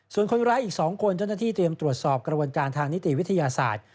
ส่วนคนร้ายอีก๒คนเจ้าหน้าที่เตรียมตรวจสอบกระบวนการทางนิติวิทยาศาสตร์